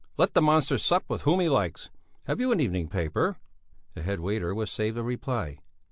Let the monster sup with whom he likes! Have you an evening paper?" The head waiter was saved a reply.